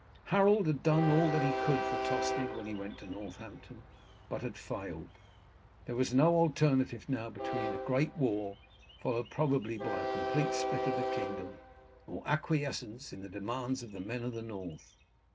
Harold had done all that he could for Tostig when he went to Northampton, but had failed. There was no alternative now between a great war, followed probably by a complete split of the kingdom, or acquiescence in the demands of the men of the North.